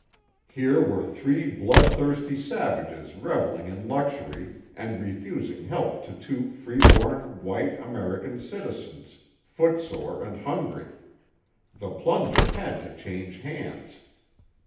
Here were three blood thirsty savages revelling in luxury and refusing help to two free born, white, American citizens, foot sore and hungry. The plunder had to change hands.